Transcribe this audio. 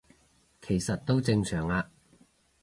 其實都正常吖